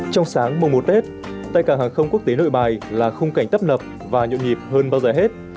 trong sáng mùa một tết tại cảng hàng không quốc tế nội bài là khung cảnh tấp nập và nhộn nhịp hơn bao giờ hết